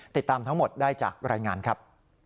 ติดตามทั้งหมดได้จากรายงานครับ